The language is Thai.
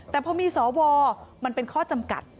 แต่พอมีสวมันเป็นข้อจำกัด